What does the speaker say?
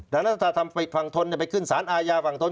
ดังนั้นถ้าฝั่งทนไปขึ้นสารอาญาฝั่งทน